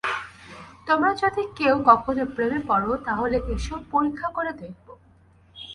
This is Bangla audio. তোমরা যদি কেউ কখনো প্রেমে পড়, তাহলে এস, পরীক্ষা করে দেখব।